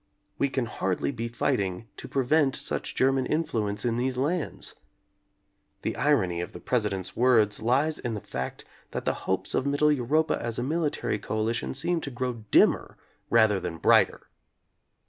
We can hardly be fighting to pre vent such German influence in these lands. The irony of the President's words lies in the fact that the hopes of Mittel Europa as a military coalition seem to grow dimmer rather than brighter.